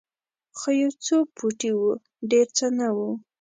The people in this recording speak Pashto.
خو یو څو پوټي وو ډېر څه نه وو.